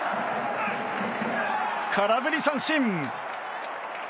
空振り三振！